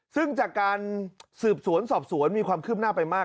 ซึ่งจากการสืบสวนสอบสวนมีความคืบหน้าไปมาก